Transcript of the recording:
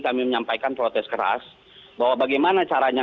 kami menyampaikan protes keras bahwa bagaimana caranya